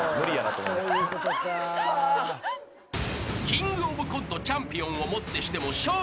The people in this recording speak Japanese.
［キングオブコントチャンピオンをもってしても笑